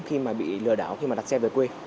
khi mà bị lừa đảo khi mà đặt xe về quê